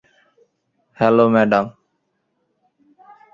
Hello, madam!